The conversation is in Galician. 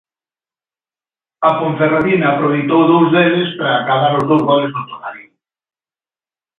A Ponferradina aproveitou dous deles para acadar os dous goles no Toralín.